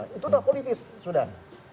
itu sudah politis sudah